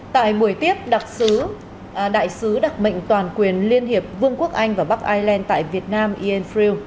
tại buổi tiếp đại sứ đặc mệnh toàn quyền liên hiệp vương quốc anh và bắc ireland tại việt nam ian friel